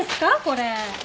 これ。